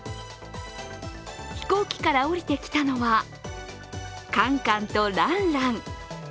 飛行機から降りてきたのはカンカンとランラン。